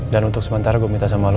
dan untuk sementara gue minta sama lo